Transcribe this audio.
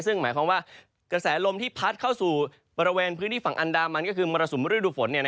ซึ่งหมายความว่ากระแสลมที่พัดเข้าสู่บริเวณพื้นที่ฝั่งอันดามันก็คือมรสุมฤดูฝน